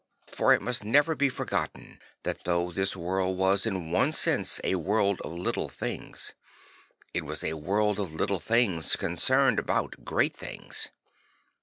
For it must never be forgotten that though that world was in one sense a world of little things, it was a world of little things con cerned about great things.